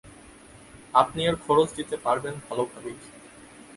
আপনি এর খরচ দিতে পারবেন ভালভাবেই।